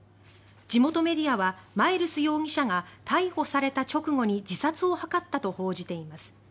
地元メディアはマイルス容疑者が逮捕された直後に自殺を図ったと報じています。